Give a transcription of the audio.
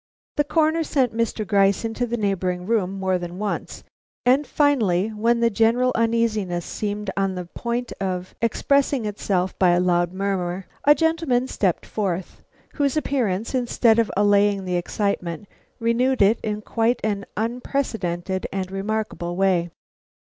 The Coroner sent Mr. Gryce into the neighboring room more than once, and finally, when the general uneasiness seemed on the point of expressing itself by a loud murmur, a gentleman stepped forth, whose appearance, instead of allaying the excitement, renewed it in quite an unprecedented and remarkable way.